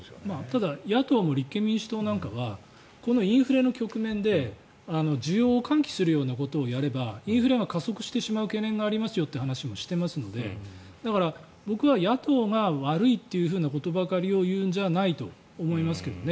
ただ、野党も立憲民主党なんかはこのインフレの局面で需要を喚起するようなことをやればインフレが加速してしまう懸念がありますよという話もしてますのでだから僕は野党が悪いということばかりを言うんじゃないと思いますけどね。